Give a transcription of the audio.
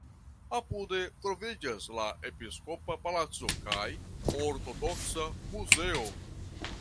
Apude troviĝas la episkopa palaco kaj ortodoksa muzeo.